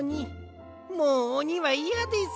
もうおにはいやです。